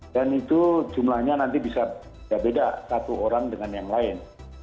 dan itu jumlahnya nanti bisa beda satu orang dengan yang lain